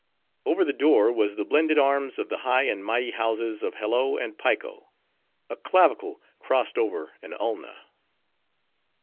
Over the door was the blended arms of the high and mighty houses of Hello and Piko: a Clavicle crossed over an Ulna.